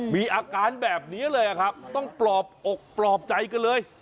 มีอาการแบบนี้เลยครับต้องปลอบอกปลอบใจกันเลย